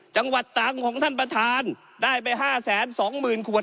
จังหวัดต่างของท่านประธานได้ไป๕๒๐๐๐๐ขวด